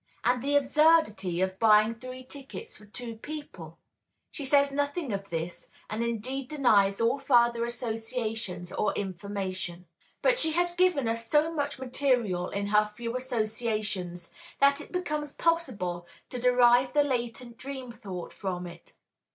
And the absurdity of buying three tickets for two people? She says nothing of this, and indeed denies all further associations or information. But she has given us so much material in her few associations, that it becomes possible to derive the latent dream thought from it.